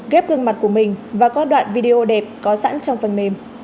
khuôn mặt của mình và các đoạn video đẹp có sẵn trong phần mềm